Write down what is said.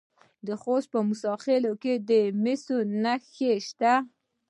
د خوست په موسی خیل کې د مسو نښې شته.